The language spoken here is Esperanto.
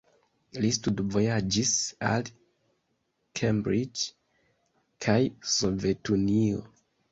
Li studvojaĝis al Cambridge kaj Sovetunio.